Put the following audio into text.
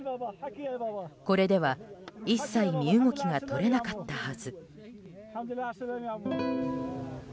これでは、一切身動きが取れなかったはず。